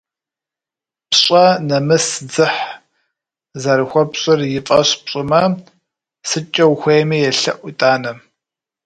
Пщӏэ, нэмыс, дзыхь зэрыхуэпщӏыр и фӏэщ пщӏымэ, сыткӏэ ухуейми елъэӏу итӏанэ.